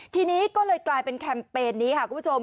ทีนี้ก็เลยกลายเป็นแคมเปญนี้ค่ะคุณผู้ชม